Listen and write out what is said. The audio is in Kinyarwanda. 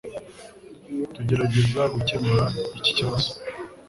Tugerageza gukemura iki kibazo.